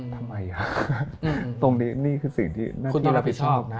ทำไมฮะตรงนี้นี่คือสิ่งที่รับผิดชอบนะ